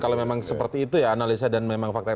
kalau memang seperti itu ya analisa dan memang faktanya